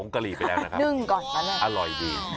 จากนี่มันเป็นอร่อย